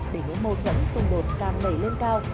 để những mâu thuẫn xung đột càng đẩy lên cao